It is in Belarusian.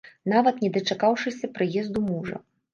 Нават не дачакаўшыся прыезду мужа.